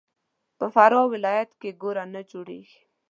په فراه ولایت کې ګوړه نه جوړیږي.